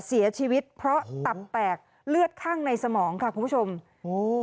เสียชีวิตเพราะตับแตกเลือดข้างในสมองค่ะคุณผู้ชมโอ้